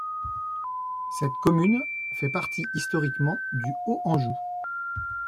Cette commune fait partie historiquement du Haut-Anjou.